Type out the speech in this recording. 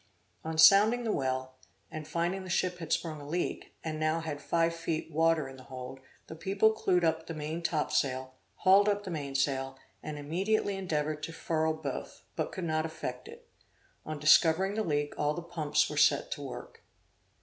On sounding the well, and finding the ship had sprung a leak, and now had five feet water in the hold, the people clewed up the main topsail, hauled up the mainsail, and immediately endeavored to furl both, but could not effect it. On discovering the leak all the pumps were set to work.